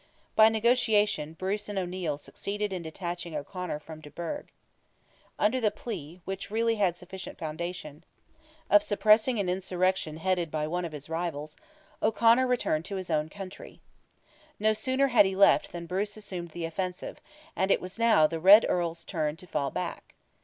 By negotiation, Bruce and O'Neil succeeded in detaching O'Conor from de Burgh. Under the plea—which really had sufficient foundation—of suppressing an insurrection headed by one of his rivals, O'Conor returned to his own country. No sooner had he left than Bruce assumed the offensive, and it was now the Red Earl's turn to fall back.